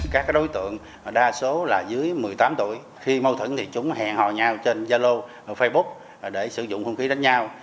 các đối tượng đa số là dưới một mươi tám tuổi khi mâu thuẫn thì chúng hẹn hò nhau trên gia lô facebook để sử dụng hung khí đánh nhau